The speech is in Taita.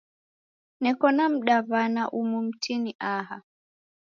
Neko na mdaw'ana umu mtini aha.